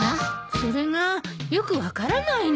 それがよく分からないのよ。